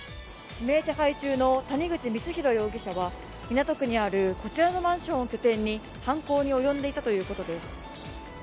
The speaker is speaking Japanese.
指名手配中の谷口光弘容疑者は港区にあるこちらのマンションを拠点に犯行に及んでいたということです。